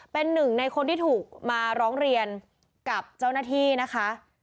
เป็นหนึ่งในคนที่ถูกมาร้องเรียนกับเจ้าหน้าที่นะคะ